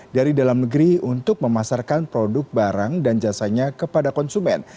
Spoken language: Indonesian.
dari dalam negeri untuk memasarkan produk barang dan jasanya kepada konsumen